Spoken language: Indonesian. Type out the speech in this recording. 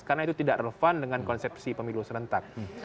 karena itu tidak relevan dengan konsepsi perusahaan